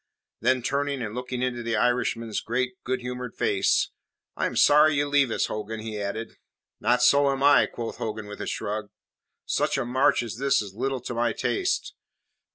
Then, turning and looking into the Irishman's great, good humoured face "I am sorry you leave us, Hogan," he added. "Not so am I," quoth Hogan with a shrug. "Such a march as this is little to my taste.